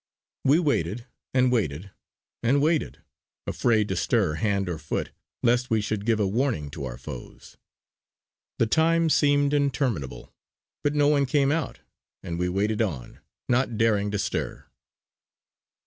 We waited, and waited, and waited, afraid to stir hand or foot lest we should give a warning to our foes. The time seemed interminable; but no one came out and we waited on, not daring to stir.